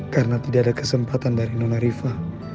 karena tidak ada kesempatan dari nona riva